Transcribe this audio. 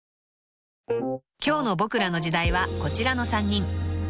［今日の『ボクらの時代』はこちらの３人］